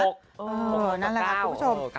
นั่นแหละค่ะคุณผู้ชม